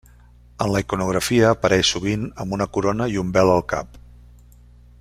En la iconografia apareix sovint amb una corona i un vel al cap.